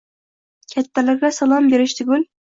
Kattalarga salom berish tugul.